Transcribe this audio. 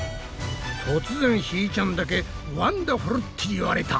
突然ひーちゃんだけワンダフルって言われた。